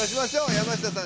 山下さん